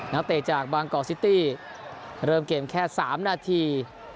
นักเตะจากบางกอกซิตี้เริ่มเกมแค่๓นาที